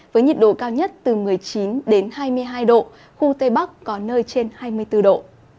với nhiệt độ cao nhất từ một mươi chín hai mươi hai độ khu tây bắc có nơi trên hai mươi bốn độ